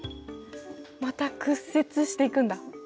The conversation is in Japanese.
また屈折していくんだ。